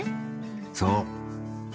そう。